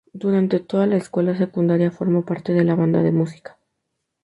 Durante toda la escuela secundaria formó parte de la banda de música.